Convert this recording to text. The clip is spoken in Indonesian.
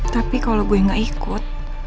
tapi kalau gue gak ikut